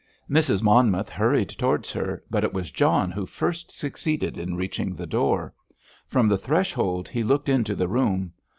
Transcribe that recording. Mrs. Monmouth hurried towards her, but it was John who first succeeded in reaching the door. From the threshold he looked into the room.